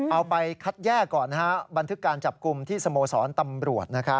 เอาไปคัดแยกก่อนบันทึกการจับกลุ่มที่สโมสรตำรวจ